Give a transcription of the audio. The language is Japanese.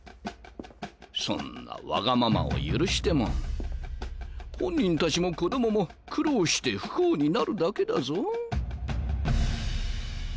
そんなわがままを許しても本人たちも子供も苦労して不幸になるだけだぞ。